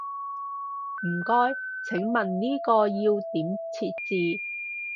唔該，請問呢個要點設置？